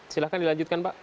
silakan dilanjutkan pak